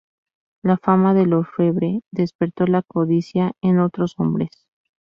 La fama del orfebre despertó la codicia en otros hombres.